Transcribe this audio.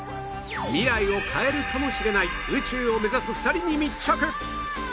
未来を変えるかもしれない宇宙を目指す２人に密着！